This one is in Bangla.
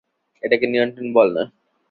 এটাকে নিয়ন্ত্রণ বলে না।